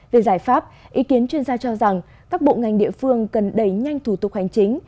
về giải pháp ý kiến chuyên gia cho rằng các bộ ngành địa phương cần đẩy nhanh thủ tục hành chính